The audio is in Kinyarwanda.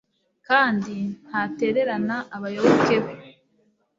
kandi ntatererane abayoboke be